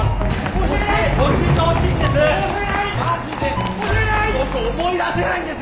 教えてほしいんです！